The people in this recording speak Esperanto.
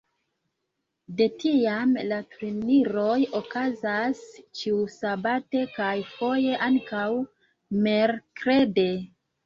De tiam la turniroj okazas ĉiusabate, kaj foje ankaŭ merkrede.